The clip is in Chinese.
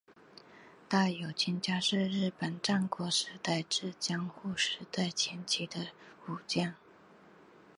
大友亲家是日本战国时代至江户时代前期的武将。